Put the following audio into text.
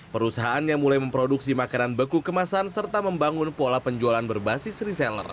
perusahaannya mulai memproduksi makanan beku kemasan serta membangun pola penjualan berbasis reseller